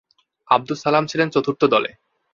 আবদুস সালাম ছিলেন চতুর্থ দলে।